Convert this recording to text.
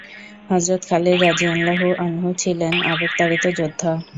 হযরত খালিদ রাযিয়াল্লাহু আনহু ছিলেন আবেগতাড়িত যোদ্ধা।